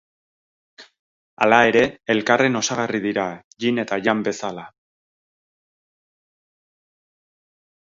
Hala ere, elkarren osagarri dira, yin eta yang bezala.